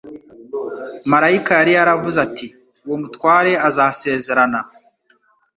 Maraika yari yaravuze ati : "Uwo mutware azasezerana